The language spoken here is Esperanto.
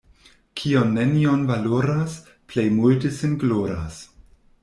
Kiu nenion valoras, plej multe sin gloras.